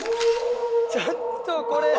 ちょっとこれ。